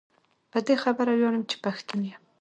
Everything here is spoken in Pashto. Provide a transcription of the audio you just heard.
په دي خبره وياړم چي پښتون يم